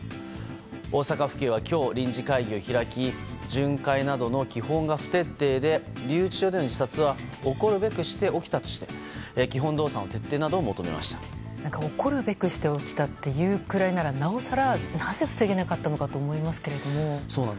大阪府警は今日、臨時会議を開き巡回などの基本が不徹底で留置場での自殺は起こるべくして起きたとして基本動作の徹底などを起こるべくして起きたというくらいならなおさらなぜ防げなかったのかと思いますけども。